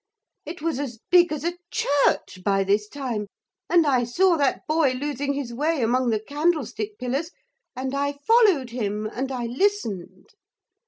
It was as big as a church by this time, and I saw that boy losing his way among the candlestick pillars, and I followed him and I listened.